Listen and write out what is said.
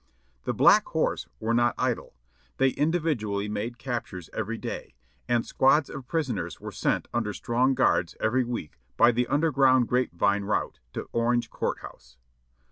The "Black Horse" were not idle; they individually made cap tures every day, and squads of prisoners were sent under strong guards every week by the underground grapevine route to Orange Court House.